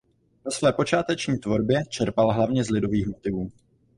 Ve své počáteční tvorbě čerpal hlavně z lidových motivů.